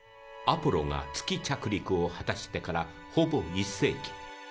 アポロが月着陸を果たしてからほぼ１世紀。